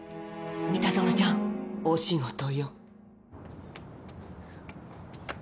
三田園ちゃんお仕事よ。